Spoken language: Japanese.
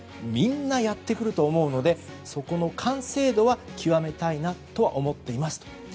みんなやってくると思うのでそこの完成度は極めたいなとは思っていますと。